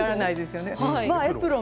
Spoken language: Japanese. エプロン？